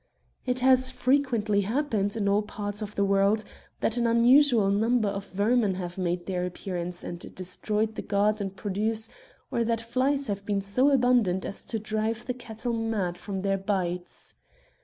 It has frequently happened, in all parts of the world, that an unusual number of vermin have made their appearance and destroyed the garden produce, or that flies have been so abundant as to drive the cattle mad from their bites.